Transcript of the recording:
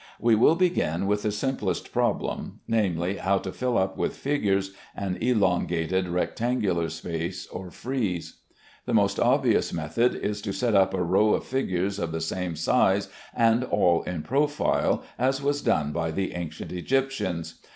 We will begin with the simplest problem, namely, how to fill up with figures an elongated rectangular space or frieze. The most obvious method is to set up a row of figures of the same size and all in profile, as was done by the ancient Egyptians.